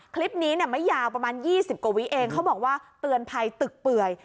คลิปนี้ไม่ยาวประมาณ๒๐กว่าวิเองเขาบอกว่าเตือนภัยตึกเปื่อย